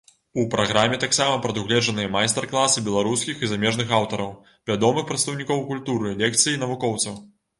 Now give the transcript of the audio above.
У праграме таксама прадугледжаныя майстар-класы беларускіх і замежных аўтараў, вядомых прадстаўнікоў культуры, лекцыі навукоўцаў.